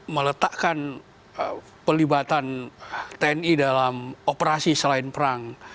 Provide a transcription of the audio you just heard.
meletakkan pelibatan tni dalam operasi selain perang